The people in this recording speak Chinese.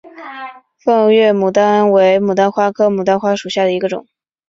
皋月杜鹃为杜鹃花科杜鹃花属下的一个种。